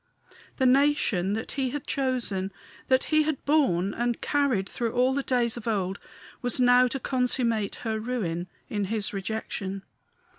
The nation that he had chosen that he had borne and carried through all the days of old was now to consummate her ruin in his rejection.